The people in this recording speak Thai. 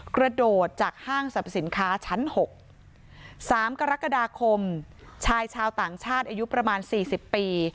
กระโดดจากห้างสรรพสินค้าชั้นหกสามกรกฎาคมชายชาวต่างชาติอายุประมาณสี่สิบปี